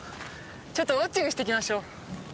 ちょっとウォッチングしていきましょう。